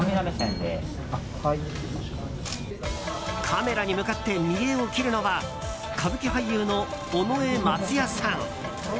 カメラに向かって見えを切るのは歌舞伎俳優の尾上松也さん。